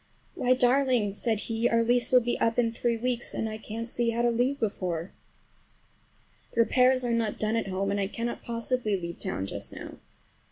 "Why darling!" said he, "our lease will be up in three weeks, and I can't see how to leave before. "The repairs are not done at home, and I cannot possibly leave town just now.